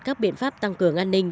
các biện pháp tăng cường an ninh